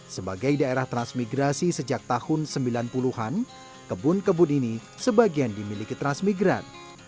sebagai daerah transmigrasi sejak tahun sembilan puluh an kebun kebun ini sebagian dimiliki transmigran